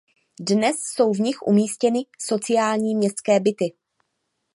Dnes jsou v nich umístěny sociální městské byty.